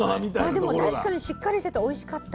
でも確かにしっかりしてておいしかった。